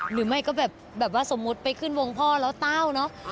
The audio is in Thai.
หรือไม่ก็แบบว่าสมมุติไปขึ้นวงพ่อแล้วเต้าเนอะ